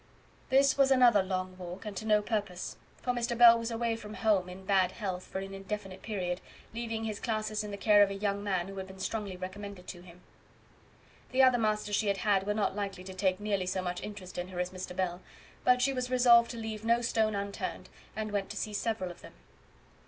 This was another long walk, and to no purpose, for Mr. Bell was away from home, in bad health, for an indefinite period, leaving his classes in the care of a young man, who had been strongly recommended to him. The other masters she had had were not likely to take nearly so much interest in her as Mr. Bell; but she was resolved to leave no stone unturned, and went to see several of them.